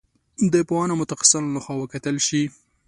د پوهانو او متخصصانو له خوا وکتل شي.